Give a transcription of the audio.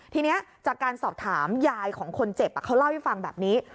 ทีนี้จากการสอบถามยายของคนเจ็บเขาเล่าให้ฟังแบบนี้